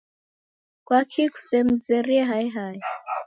Kwaki kusemzerie hae hae?